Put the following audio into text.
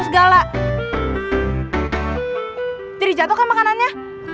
jadi jatuhkan makanannya